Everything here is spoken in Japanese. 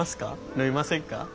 飲みませんか？